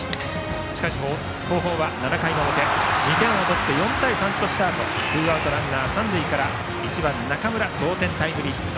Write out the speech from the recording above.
しかし、東邦は７回の表２点を取って４対３としたあとツーアウトランナー、三塁から１番、中村同点タイムリーヒット。